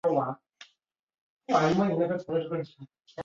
成为皇帝之下的最高统治集团。